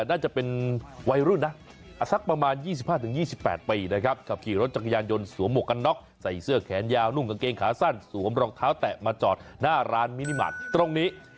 น่าจะเป็นวัยรุ่นนะสักประมาณ๒๕๒๘ปีนะครับขับขี่รถจักรยานยนต์สวมหมวกกันน็อกใส่เสื้อแขนยาวนุ่งกางเกงขาสั้นสวมรองเท้าแตะมาจอดหน้าร้านมินิมาตรตรงนี้